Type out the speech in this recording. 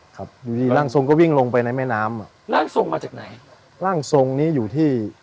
ครับอยู่ดีร่างทรงก็วิ่งลงไปในแม่น้ำอ่ะร่างทรงมาจากไหนร่างทรงนี้อยู่ที่